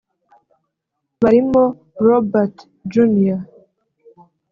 barimo Robert junior